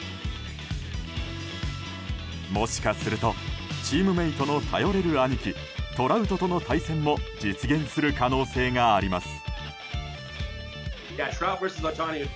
もしかするとチームメートの頼れる兄貴トラウトとの対戦も実現する可能性があります。